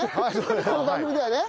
この番組ではね。